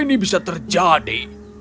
mana ini bisa terjadi